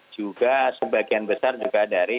juga sebagian besar juga dari